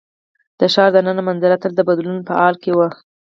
د ښار د ننه منظره تل د بدلون په حال کې وه.